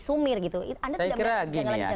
sumir gitu anda tidak melihat kejanggalan kejanggalan